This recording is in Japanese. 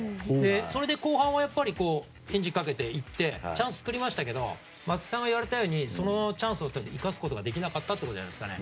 それで後半はエンジンをかけてチャンス作りましたけど松木さんが言われたようにそのチャンスを生かすことができなかったということじゃないですかね。